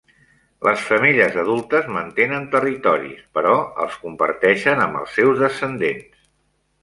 Les femelles adultes mantenen territoris, però els comparteixen amb els seus descendents.